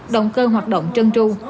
động cơ hoạt động trân tru